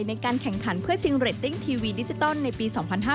ในการแข่งขันเพื่อชิงเรตติ้งทีวีดิจิตอลในปี๒๕๕๙